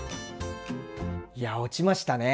いや落ちましたね。